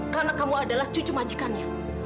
karena kamu adalah cucu majikannya